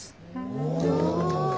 お。